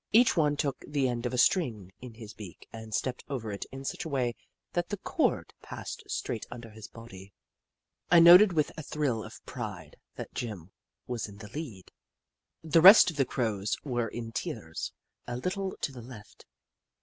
Each one took the end of a string in his beak and stepped over it in such a way that the cord passed straight under his body. I noted with a thrill of pride that Jim was in the lead. The rest of the Crows were in tiers a little to the left.